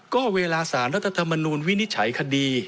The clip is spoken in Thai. ก็เวลาสารรัฐธรรมนูลวินิจฉัยคดี